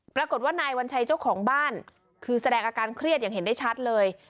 ปรากฏว่านายวัญชัยเจ้าของบ้านคือแสดงอาการเครียดอย่างเห็นได้ชัดเลย